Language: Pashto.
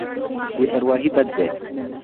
بې پرواهي بد دی.